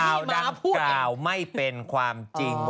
ข่าวดังกล่าวไม่เป็นความจริง